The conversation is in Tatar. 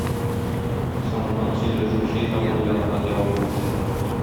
Соңыннан сөйләшү чәй табыны янында дәвам итте.